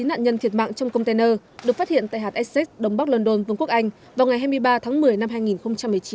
chín nạn nhân thiệt mạng trong container được phát hiện tại hạt essex đông bắc london vương quốc anh vào ngày hai mươi ba tháng một mươi năm hai nghìn một mươi chín